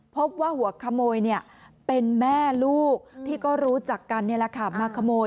พบว่าหัวขโมยเป็นแม่ลูกที่ก็รู้จักกันมาขโมย